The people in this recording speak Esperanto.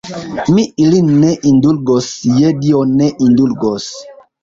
Mi ilin ne indulgos, je Dio, ne indulgos.